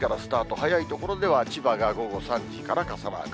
早い所では千葉が午後３時から傘マーク。